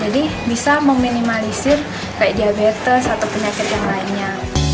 jadi bisa meminimalisir kayak diabetes atau penyakit yang lainnya